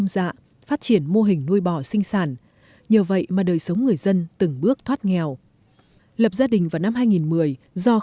gia đình tôi bây giờ nuôi trâu nuôi lợn nuôi gà